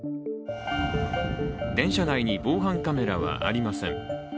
電車内に防犯カメラはありません。